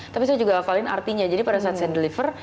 tapi saya juga hafalin artinya jadi pada saat saya deliver